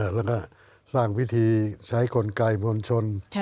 แล้วก็สร้างวิธีใช้กลไกมวลชน